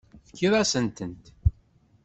Tefkiḍ-asent-tent.